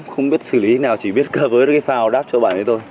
không biết xử lý thế nào chỉ biết cơ với phao đáp cho bạn với tôi